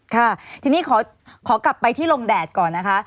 ค่ะทีนี้ขอกลับไปที่ลมแดดก่อนนะคะ